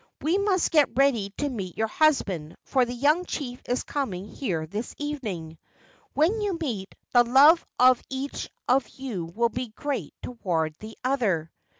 We must get ready to meet your husband, for the young chief is coming here this evening. When you meet, the love of each of you will be great toward the other."